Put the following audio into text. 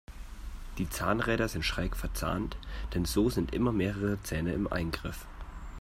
Die Zahnräder sind schräg verzahnt, denn so sind immer mehrere Zähne im Eingriff.